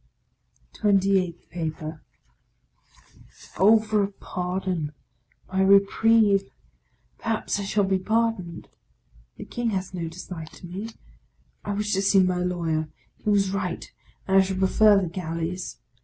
TWENTY EIGHTH PAPER OH for a pardon! My reprieve! Perhaps I shall be pardoned. The King has no dislike to me. I wish to see my lawyer ! He was right, and I should prefer the gal leys.